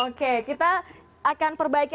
oke kita akan perbaiki